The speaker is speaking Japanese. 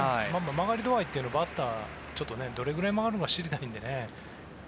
曲がり度合いはバッターどれぐらい曲がるか知りたいのでね。